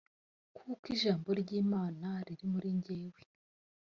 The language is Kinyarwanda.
kuko ijambo ry’Imana riri muri njyewe